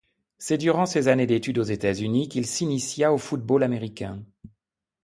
C'est durant ses années d'études aux États-Unis qu'il s'initia au football américain.